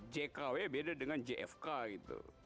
jkw beda dengan jfk gitu